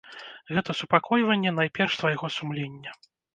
Гэта супакойванне найперш свайго сумлення.